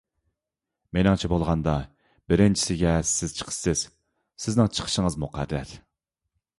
مېنىڭچە بولغاندا، بىرىنچىسىگە سىز چىقىسىز، سىزنىڭ چىقىشىڭىز مۇقەررەر.